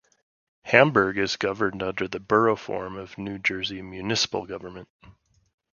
Hamburg is governed under the Borough form of New Jersey municipal government.